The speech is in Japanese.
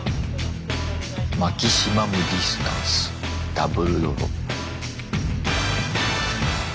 「マキシマムディスタンス・ダブルドロップ」。